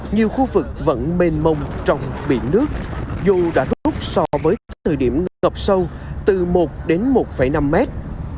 nhiều khu vực vẫn mênh mông trong biển nước dù đã rút so với thời điểm ngập sâu từ một đến một năm mét